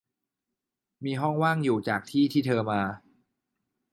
มีห้องว่างอยู่จากที่ที่เธอมา